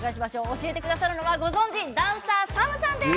教えてくださるのは、ご存じダンサーＳＡＭさんです。